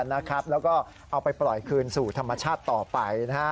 แล้วก็เอาไปปล่อยคืนสู่ธรรมชาติต่อไป